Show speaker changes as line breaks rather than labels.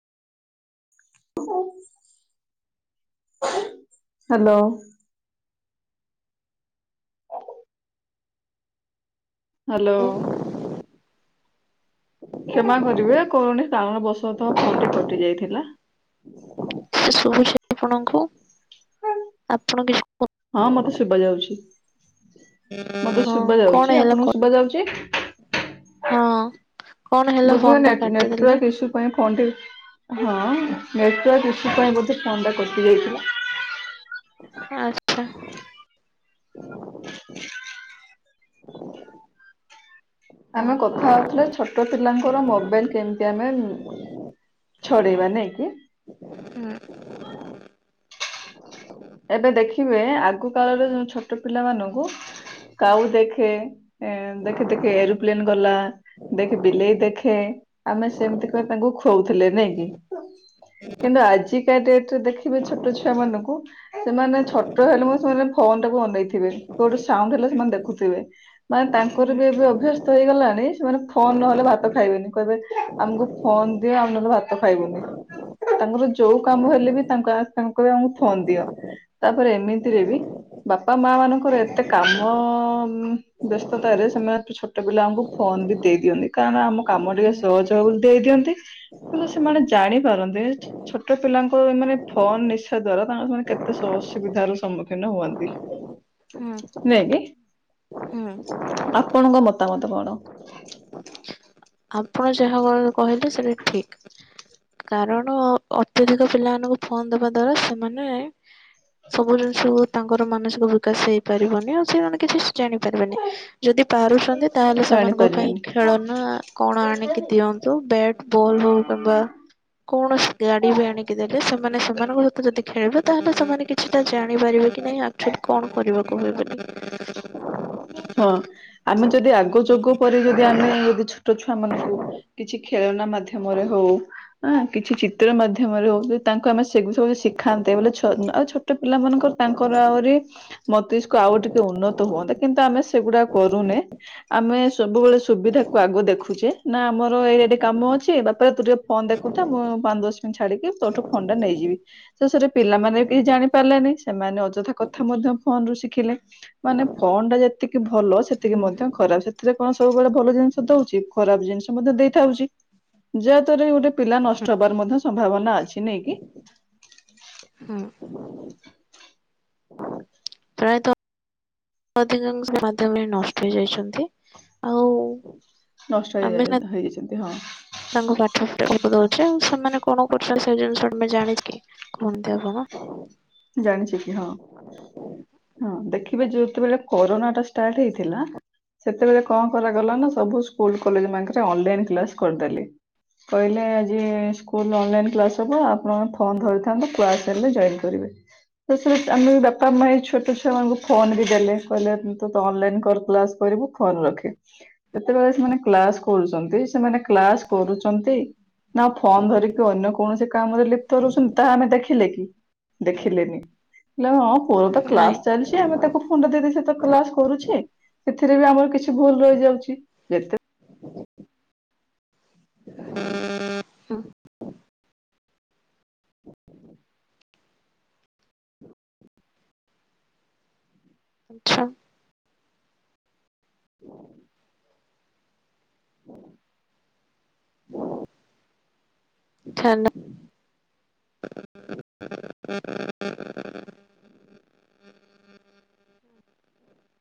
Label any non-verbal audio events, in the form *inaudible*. Hello. ଓଉ hello. କ୍ଷମା କରିବେ କରୁନି କାରଣ ବର୍ଷତଃ ଫୋନଟି କଟି ଯାଇଥିଲା।
ସେ ଶୁଭୁଛି ଆପଣଙ୍କୁ? ଆପଣ କିଛି
ହଁ ମତେ ଶୁବା ଯାଉଚି। ମତେ
ହଁ
ଶୁବା
କଣ
ଯାଉଚି
ହେଲା କ
ଆପଣଙ୍କୁ ଶୁବା ଯାଉଚି?
ହଁ। କଣ ହେଲା
ବୋଧେ
ଫୋନ ଟା
ନେଟ
କାଟିଦେଲେ
ନେଟୱାର୍କ ଇସୁ ପାଇଁ ଫୋନଟି ହଁ ନେଟୱାର୍କ ଇସୁ ପାଇଁ ବୋଧେ ଫୋନଟା କଟି ଯାଇଥିଲା।
ଆ ଛା ହଉ
ଆମେ କଥା ହଉଥିଲେ ଛୋଟ ପିଲାଙ୍କର ମୋବାଇଲ କେମିତି ଆମେ ଛଡ଼େଇବା ନାଇଁ କି?
ଉଁ
ଏବେ ଦେଖିବେ ଆଗ କାଳରେ ଯୋଉ ଛୋଟ ପିଲାମାନଙ୍କୁ କାଉ ଦେଖେ ଏ ଦେଖେ ଦେଖେ ଏରୋପ୍ଲେନ ଗଲା। ଦେଖେ ବିଲେଇ ଦେଖେ ଆମେ ସେମିତି କ ତାଙ୍କୁ ଖୋଉଥିଲେ ନାଇଁ କି। କିନ୍ତୁ ଆଜିକା ଡ଼େଟ ରେ ଦେଖିବେ ଛୋଟ ଛୁଆ ମାନଙ୍କୁ ସେମାନେ ଛୋଟ ହେଲେ ମ ସେମାନେ ଫୋନ ଟାକୁ ଅନେଇଥିବେ କୋଉଠି ସାଉଣ୍ଡ ହେଲେ
ହୁଁ
ସେମାନେ ଦେଖୁଥିବେ। ମାନେ ତାଙ୍କର
ହୁଁ
ବି ଏବେ ଅଭ୍ୟସ୍ତ ହେଇଗଲାଣି ସେମାନେ ଫୋନ ନହେଲେ ଭାତ ଖାଇବେନି କହିବେ ଆମକୁ ଫୋନ ଦିଅ ଆମେ ନହେଲେ ଭାତ ଖାଇବୁନି। ତାଙ୍କର ଯୋଉ କାମ ହେଲେ ବି ତାଙ୍କ କ ତାଙ୍କ କହି ଆମକୁ ଫୋନ ଦିଅ। ତାପରେ ଏମିତିରେ ବି ବାପା ମା ମାନଙ୍କର ଏତେ କାମ ଉଁ ବ୍ୟସ୍ତତାରେ ସେମାନେ ଛୋଟ ପିଲାଙ୍କୁ ଫୋନ ବି ଦେଇ ଦିଅନ୍ତି। କାରଣ ଆମ କାମ ଟିକେ
ହୁଁ
ସହଜ ହବ ବୋଲି ଦେଇଦିଅନ୍ତି। ହେଲେ ସେମାନେ ଜାଣିପାରନ୍ତିନି, ଛୋଟ ପିଲାଙ୍କ ମାନେ ଫୋନ ନିଶା ଦ୍ଵାରା ତାଙ୍କର ମାନେ କେ ଏତେ ଅସୁବିଧର ସମ୍ମୁଖୀନ ହୁଅନ୍ତି।
ହୁଁ
ନାଇଁ କି?
ହୁଁ।
ଆପଣଙ୍କ ମତାମତ କଣ?
ଆପଣ ଯାହା କ କହିଲେ ସେଟା ଠିକ୍। କାରଣ ଅତ୍ୟଧିକ ପିଲାମାନଙ୍କୁ ଫୋନ ଦେବା ଦ୍ଵାରା ସେମାନେ ସବୁ ଜିନିଷ ହଉ ତାଙ୍କର ମାନସିକ ବିକାଶ ହେଇପାରିବନି, ଆଉ ସେମାନେ କିଛି ଜାଣିପାରିବେନି। ଯଦି ପାରୁଛନ୍ତି, ତାହେଲେ ସେମାନଙ୍କ ପାଇଁ
ଜାଣିପାରିବେନି।
ଖେଳନା କଣ ଆଣିକି ଦିଅନ୍ତୁ, ବ୍ୟାଟ ବଲ୍ ହଉ କିମ୍ବା କୌଣସି ଗାଡି ବି ଆଣିକି ଦେଲେ, ସେମାନେ ସେମାନଙ୍କ ସହିତ ଯଦି ଖେଳିବେ ତାହେଲେ ସେମାନେ କି ଛିଟା ଜାଣିପାରିବେ କି ନାହିଁ ଆକ୍ଚୁଆଲି କଣ କରିବାକୁ ହେବନି।
ହଁ ଆମେ ଯଦି ଆଗ ଯୁଗ ପରି ଯଦି ଆମେ *unintelligible* ଛୋଟ ଛୁଆ ମାନଙ୍କୁ କିଛି ଖେଳନା ମାଧ୍ୟମରେ ହଉ, କିଛି ଚିତ୍ର ମାଧ୍ୟ ମରେ ହଉ କି ତାଙ୍କୁ ଆମେ ସେ ସବୁ ଶିଖାନ୍ତେ, ହେଲେ ଛୋ ଉଁ ଆଉ ଛୋଟ ପିଲାମାନଙ୍କର ତାଙ୍କର ଆହୁରି ମସ୍ତିଷ୍କ ଆଉ ଟି କେ ଉନ୍ନତ ହୁଅନ୍ତା, କିନ୍ତୁ ଆମେ ସେଗୁଡା କରୁନେ। ଆମେ ସବୁବେଳେ ସୁବିଧାକୁ ଆଗ ଦେଖୁଛେ, ନା ଆମର ଏରିଆଡେ କାମ ଅଛି ବା ପୁଅରେ ତୁ ଟିକେ ଫୋନ୍ ଦେଖୁଥା। ମୁଁ ପାଞ୍ଚ, ଦଶ ମିନିଟ୍ ଛାଡିକି ତୋଠୁ ଫୋନଟା ନେଇଯିବି। ଶେଷରେ ପିଲାମାନେ ବି କିଛି ଜାଣି ପାରିଲେନି। ସେମାନେ ଅଯଥା କଥା ମଧ୍ୟ ଫୋନରୁ ଶିଖିଲେ। ମାନେ ଫୋନଟା ଯେତିକି ଭଲ ସେତିକି
ହୁଁ
ମଧ୍ୟ ଖରାପ। ସେଥିରେ କଣ ସବୁବେଳେ ଭଲ ଜିନିଷ ଦଉଛି, ଖରାପ ଜିନିଷ ମଧ୍ୟ ଦେଇଥାଉଛି। ଯାହାଦ୍ଵାରା କି ଗୋଟେ ପିଲା ନଷ୍ଟ ହବାର ମଧ୍ୟ ସମ୍ଭାବନା ଅଛି। ନାଇଁ କିି?
ହୁଁ। ପ୍ରାୟତଃ ଅଧିକାଂଶ ମାଧ୍ୟମରେ ନଷ୍ଟ ହେଇଯାଇଛନ୍ତି। ଆଉ
ନଷ୍ଟ
ଆମେ ନା
ହୋଇଯାଇଛନ୍ତି ହେଇଛନ୍ତି ହଁ।
ତାଙ୍କୁ ପାଠ ପଢ଼ିବାକୁ ବିପଦ ହଉଛି, ଆଉ ସେମାନେ କଣ କରୁ ଛନ୍ତି, ସେ ଜିନିଷ ଆମେ ଜାଣିଛେ କି, କୁହନ୍ତି ଆପଣ।
ଜାଣିଛି କି, ହଁ। ହଁ, ଦେଖିବେ ଯେତେବେଳେ କୋରୋନା ଟା ଷ୍ଟାର୍ଟ ହେଇଥିଲା ସେତେବେଳେ କଣ କରାଗଲା ନା, ସବୁ ସ୍କୁଲ କଲେଜ ମାନଙ୍କରେ ଅନଲାଇନ କ୍ଲାସ କରିଦେଲି। କହିଲେ ଆଜି ସ୍କୁଲ ଅନଲାଇନ୍ କ୍ଲାସ୍ ହେବ। ଆପଣଙ୍କ ଫୋନ୍ ଧରିଥାନ୍ତୁ, କ୍ଲାସ୍ ହେଲେ ଜଏନ୍ କରିବେ। ଶେଷରେ ଆମେ ବି ବାପା ମା ଏ ଛୋଟ ଛୁଆ ମାନଙ୍କୁ ଫୋନ ବି ଦେଲେ। କହିଲେ ତୁ ତ ଅନଲାଇନ କର କ୍ଲାସ କରିବୁ। କଲ୍ ରଖେ। ଯେତେବେଳେ ସେମାନେ କ୍ଲାସ କରୁଛନ୍ତି, ସେମାନେ କ୍ଲାସ କରୁଛନ୍ତି, ନା ଫୋନ ଧରିକି ଅନ୍ୟ କୌଣସି କାମରେ ଲିପ୍ତ ରହୁଛନ୍ତି, ତାହା ଆମେ ଦେଖି ଦେଖିଲେ କି, ଦେଖିଲେନି। କହିଲେ ହେ ହଁ ପୁଅର ତ
ନାଇଁ
କ୍ଲାସ ଚାଲିଛି। ଆମେ ତାକୁ ଫୋନ ତା ଦେଇଦଉଛେ, ସେ ତ କ୍ଲାସ କରୁଛି, ସେଥିରେ ବି ଆମର କିଛି ଭୁଲ ରହିଯାଉଛି। ଯେତେ
*inaudible* ହୁଁ। ଆଚ୍ଛା। ହଁ। *unintelligible*